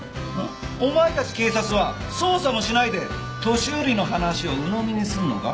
お前たち警察は捜査もしないで年寄りの話をうのみにすんのか？